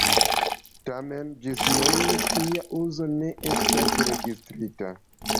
Tamen ĝis nun tia uzo ne estas registrita.